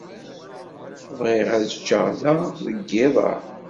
Bɣiɣ ad ččeɣ da deg yiḍ-a.